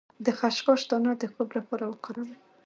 د خشخاش دانه د خوب لپاره وکاروئ